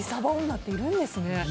女っているんですね。